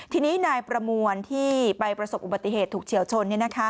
ทีนี้นายประมวลที่ไปประสบอุบัติเหตุถูกเฉียวชน